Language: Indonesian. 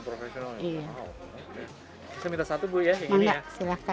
bisa minta satu bu ya yang ini ya